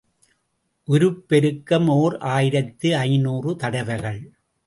உருப்பெருக்கம் ஓர் ஆயிரத்து ஐநூறு தடவைகள்.